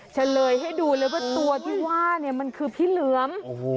เฉลยให้ดูเลยว่าตัวที่ว่าเนี่ยมันคือพี่เหลือม